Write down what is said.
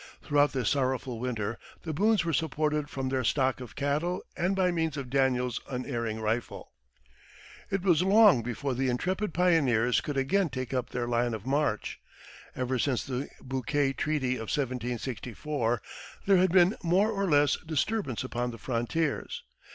Throughout this sorrowful winter the Boones were supported from their stock of cattle and by means of Daniel's unerring rifle. It was long before the intrepid pioneers could again take up their line of march. Ever since the Bouquet treaty of 1764 there had been more or less disturbance upon the frontiers.